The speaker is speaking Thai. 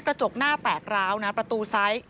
กระจกหน้าแตกร้าวนะประตูซ้าย